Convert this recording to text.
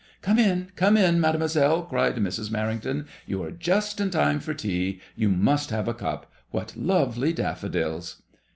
*' Come in, come in, Mademoi selle," cried Mrs. Merrington. " You are just in time for tea. You must have a cup. What lovely daffodils